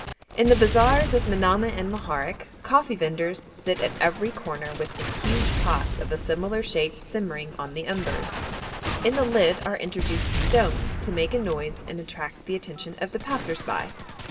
In the bazaars of Manamah and Moharek coffee vendors sit at every corner with some huge pots of a similar shape simmering on the embers; in the lid are introduced stones to make a noise and attract the attention of the passers by.